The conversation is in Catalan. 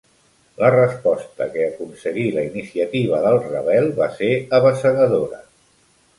La resposta que aconseguí la iniciativa del Ravel va ser abassegadora.